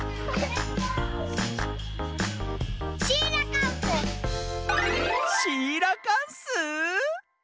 シーラカンス！